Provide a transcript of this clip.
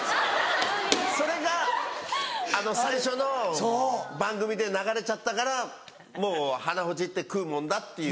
それが最初の番組で流れちゃったからもう鼻ほじって食うもんだっていう。